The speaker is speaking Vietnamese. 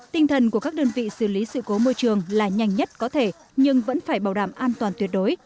tinh thần của các đơn vị xử lý sự cố môi trường là nhanh nhất có thể nhưng vẫn phải bảo đảm an toàn tuyệt đối